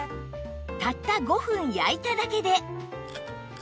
たった５分焼いただけで